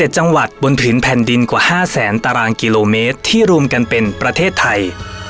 ๗จังหวัดบนผืนแผ่นดินกว่า๕แสนตารางกิโลเมตรที่รวมกันเป็นประเทศไทย